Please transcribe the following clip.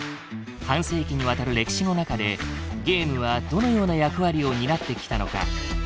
半世紀にわたる歴史の中でゲームはどのような役割を担ってきたのか。